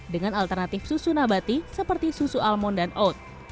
dengan alternatif susu nabati seperti susu almond dan oat